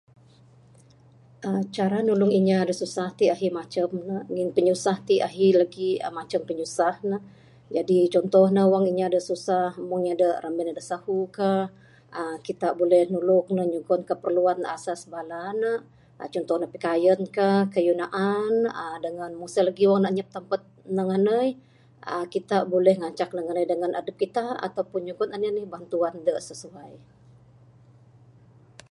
[uhh]...cara nulung inya da susah ti ahi macam ne. Ngin pinyusah ti ahi lagi macam pinyusah ne. Jadi contoh ne wang inya da susah, mung inya da ramin ne da sahu kah, uhh..., kitak buleh nulung, nyugon keperluan asas bala ne. Conto ne pikaian ka, kayuh naan. [uhh]..dengan mungsen lagi dengan wang ne anyap tempat ne ngandai, kitak buleh ngancak ne ngandai dengan adup kitak atau pun nyugon anih-anih bantuan da sesuai.